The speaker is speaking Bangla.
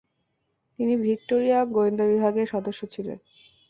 তিনি ভিক্টোরিয়া গোয়েন্দাবিভাগের সদস্য ছিলেন।